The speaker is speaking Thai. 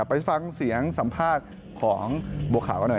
ไปฟังเสียงสัมภาษณ์ของบัวขาวกันหน่อย